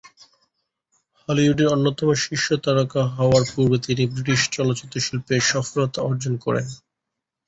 হলিউডের অন্যতম শীর্ষ তারকা হওয়ার পূর্বে তিনি ব্রিটিশ চলচ্চিত্র শিল্পে সফলতা অর্জন করেন।